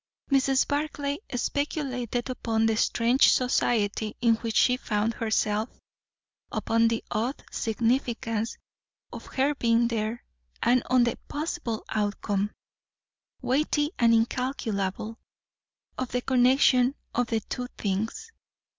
Mrs. Barclay speculated upon the strange society in which she found herself; upon the odd significance of her being there; and on the possible outcome, weighty and incalculable, of the connection of the two things.